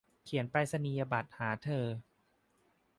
เขียนไปรษณียบัตรหาเธอ